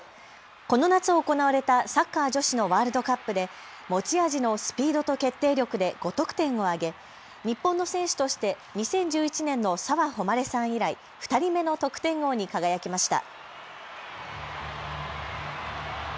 この夏行われたサッカー女子のワールドカップで持ち味のスピードと決定力で５得点を挙げ日本の選手として２０１１年の澤穂希さん以来２人目の得点王に輝きました。